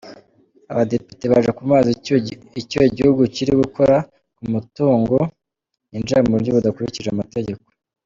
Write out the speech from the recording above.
Abadepite baje kumubaza icyo igihugu kiri gukora ku matungo yinjira mu buryo budakurikije amategeko.